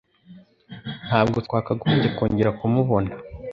Ntabwo twakagombye kongera kumubona.